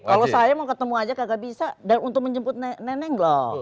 kalau saya mau ketemu aja kagak bisa dan untuk menjemput nenek loh